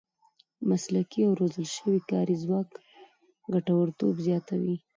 مسلکي او روزل شوی کاري ځواک ګټورتوب زیاتوي.